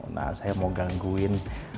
nah saya mau gangguin